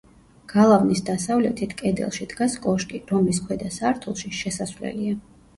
გალავნის დასავლეთით, კედელში დგას კოშკი, რომლის ქვედა სართულში შესასვლელია.